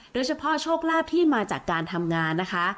โดยเฉพาะโชคราบที่มาจากการทำงานนะคะ